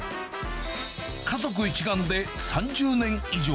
家族一丸で３０年以上。